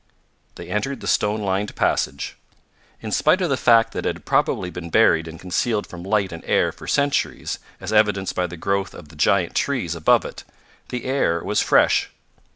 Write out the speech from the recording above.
They entered the stone lined passage. In spite of the fact that it had probably been buried and concealed from light and air for centuries, as evidenced by the growth of the giant trees above it, the air was fresh.